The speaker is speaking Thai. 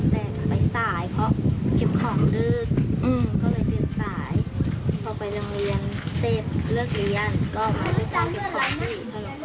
แจนไปสายเพราะเก็บของดึก